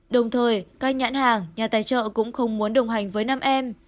đồng thời các nhãn hàng nhà tài trợ cũng không muốn đồng hành với năm em